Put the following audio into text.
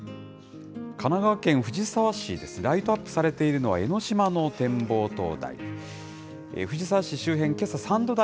神奈川県藤沢市です、ライトアップされているのは、江の島の展望灯台。